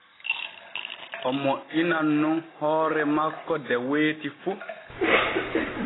O moƴƴinan nun hoore makko de weeti fu.